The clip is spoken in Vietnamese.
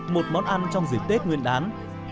một món ăn trong dịp tết nguyên đán